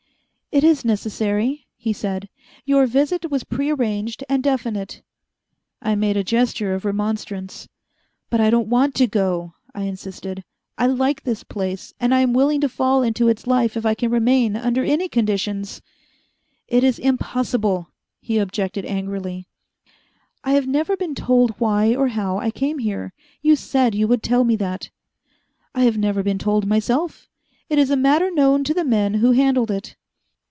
"It is necessary," he said. "Your visit was pre arranged and definite." I made a gesture of remonstrance. "But I don't want to go," I insisted. "I like this place, and I am willing to fall into its life if I can remain under any conditions." "It is impossible," he objected angrily. "I have never been told why or how I came here. You said you would tell me that." "I have never been told myself. It is a matter known to the men who handled it."